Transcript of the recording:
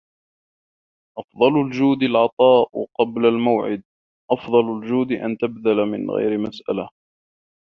أفضل الجود العطاء قبل الموعد أفضل الجود أن تبذل من غير مسألة